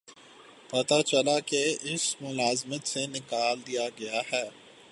پتہ چلا کہ اسے ملازمت سے نکال دیا گیا ہے